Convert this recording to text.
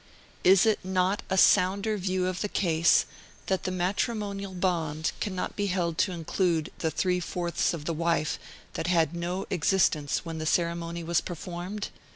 Is it not a sounder view of the case, that the matrimonial bond cannot be held to include the three fourths of the wife that had no existence when the ceremony was performed?